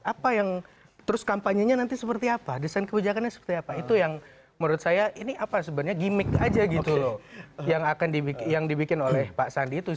apa yang terus kampanyenya nanti seperti apa desain kebijakannya seperti apa itu yang menurut saya ini apa sebenarnya gimmick aja gitu loh yang dibikin oleh pak sandi itu